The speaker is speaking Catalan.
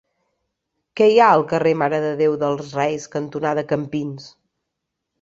Què hi ha al carrer Mare de Déu dels Reis cantonada Campins?